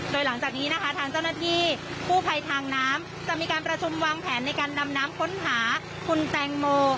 โดยหลังจากนี้นะคะทางเจ้าหน้าที่กู้ภัยทางน้ำจะมีการประชุมวางแผนในการดำน้ำค้นหาคุณแตงโม